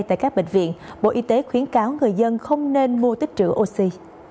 tại các bệnh viện bộ y tế khuyến cáo người dân không nên mua tích trữ oxy